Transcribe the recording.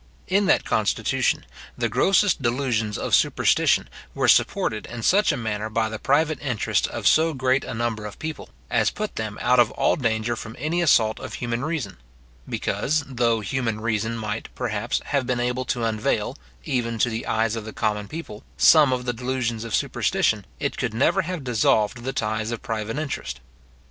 In that constitution, the grossest delusions of superstition were supported in such a manner by the private interests of so great a number of people, as put them out of all danger from any assault of human reason; because, though human reason might, perhaps, have been able to unveil, even to the eyes of the common people, some of the delusions of superstition, it could never have dissolved the ties of private interest.